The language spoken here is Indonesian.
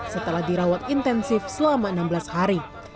setelah dirawat intensif selama enam belas hari